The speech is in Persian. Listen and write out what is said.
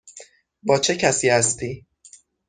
با چه کسی هستی؟